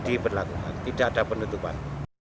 diberlakukan tidak ada penutupan